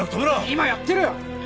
今やってるよ！